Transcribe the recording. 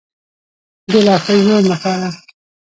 د لا ښه ژوند لپاره.